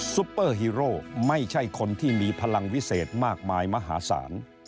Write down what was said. ปเปอร์ฮีโร่ไม่ใช่คนที่มีพลังวิเศษมากมายมหาศาล